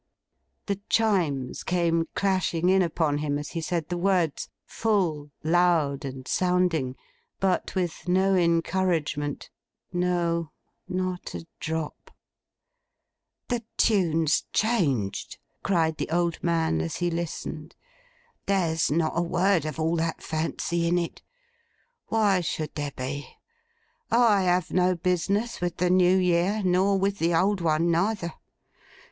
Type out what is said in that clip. The Chimes came clashing in upon him as he said the words. Full, loud, and sounding—but with no encouragement. No, not a drop. 'The tune's changed,' cried the old man, as he listened. 'There's not a word of all that fancy in it. Why should there be? I have no business with the New Year nor with the old one neither.